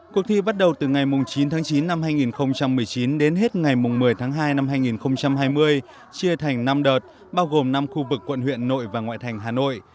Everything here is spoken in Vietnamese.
cuộc thi bắt đầu từ ngày chín tháng chín năm hai nghìn một mươi chín đến hết ngày một mươi tháng hai năm hai nghìn hai mươi chia thành năm đợt bao gồm năm khu vực quận huyện nội và ngoại thành hà nội